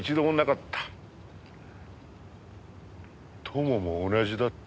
友も同じだった。